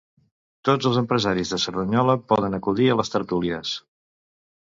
Tots els empresaris de Cerdanyola poden acudir a les tertúlies.